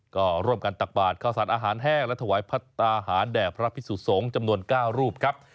ก็ร่วมกันตักบาทข้าวสารอาหารแห้งและถวายพัฒนาหารแด่พระพิสุสงฆ์จำนวน๙รูปครับ